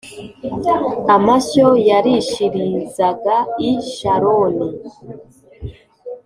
amashyo yarishirizaga i Sharoni